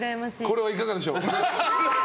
これはいかがでしょう？